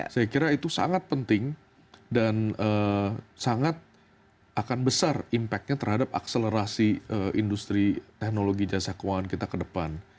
saya kira itu sangat penting dan sangat akan besar impactnya terhadap akselerasi industri teknologi jasa keuangan kita ke depan